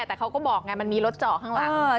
แต่เขาก็บอกไงมันมีรถเจาะข้างหลัง